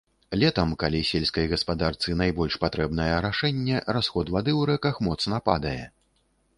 Летам, калі сельскай гаспадарцы найбольш патрэбнае арашэнне, расход вады ў рэках моцна падае.